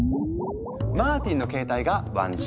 マーティンの携帯が１Ｇ。